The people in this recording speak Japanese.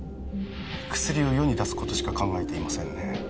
薬を世に出すことしか考えていませんね